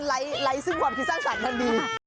แล้วที่ไลก์ซึ้งความคิดสร้างสรรค์ก็ดี